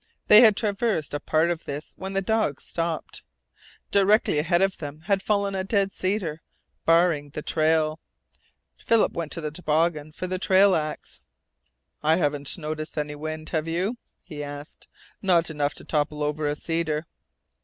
They had traversed a part of this when the dogs stopped. Directly ahead of them had fallen a dead cedar, barring the trail. Philip went to the toboggan for the trail axe. "I haven't noticed any wind, have you?" he asked. "Not enough to topple over a cedar."